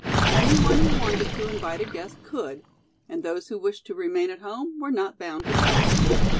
Anyone who wanted to invite a guest could, and those who wished to remain at home were not bound to go.